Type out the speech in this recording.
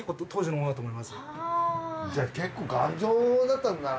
じゃあ結構頑丈だったんだな。